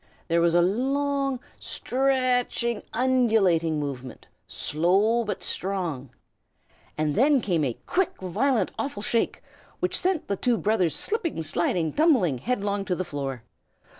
There was a long, stretching, undulating movement, slow but strong; and then came a quick, violent, awful shake, which sent the two brothers slipping, sliding, tumbling headlong to the floor.